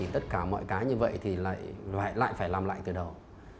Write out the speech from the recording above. tất cả mọi cái như vậy thì lại phải làm lại từ đó